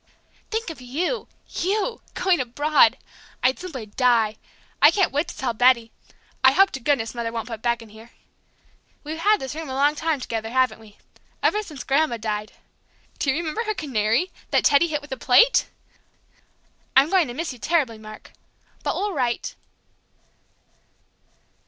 Think of you you going abroad! I'd simply die! I can't wait to tell Betty!... I hope to goodness Mother won't put Beck in here!... We've had this room a long time together, haven't we? Ever since Grandma died. Do you remember her canary, that Teddy hit with a plate?... I'm going to miss you terribly, Mark. But we'll write...."